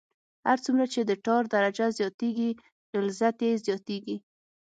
هر څومره چې د ټار درجه زیاتیږي غلظت یې زیاتیږي